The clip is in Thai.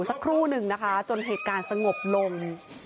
สักครู่หนึ่งนะคะจนเหตุการณ์สงบลง